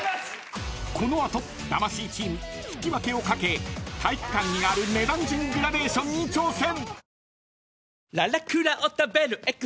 ［この後魂チーム引き分けを懸け体育館にある値段順グラデーションに挑戦］